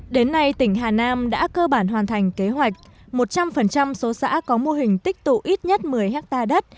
đến nay tỉnh hà nam đã cơ bản hoàn thành kế hoạch một trăm linh số xã có mô hình tích tụ ít nhất một mươi hectare đất